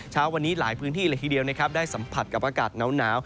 เช้าวันนี้หลายพื้นที่เลยทีเดียวนะครับได้สัมผัสกับอากาศหนาว